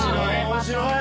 面白い。